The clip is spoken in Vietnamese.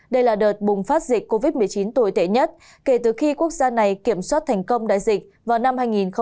đây là đợt bùng phát dịch covid một mươi chín tồi tệ nhất kể từ khi quốc gia này kiểm soát thành công đại dịch vào năm hai nghìn hai mươi